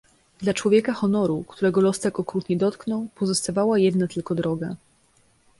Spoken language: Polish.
"Dla człowieka honoru, którego los tak okrutnie dotknął, pozostawała jedna tylko droga."